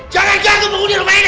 jangan jatuh pengundi rumah ini